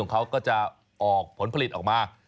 ของเขาก็จะเป็นผลิตของออกมา